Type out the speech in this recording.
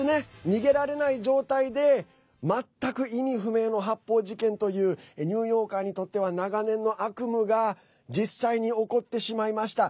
逃げられない状態で全く意味不明の発砲事件というニューヨーカーにとっては長年の悪夢が実際に起こってしまいました。